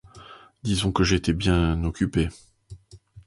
Disons que j’ai été bien… occupée.